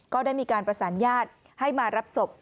ก็ได้มีการประสานญาติให้มารับศพ